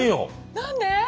何で？